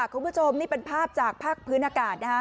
คุณผู้ชมนี่เป็นภาพจากภาคพื้นอากาศนะฮะ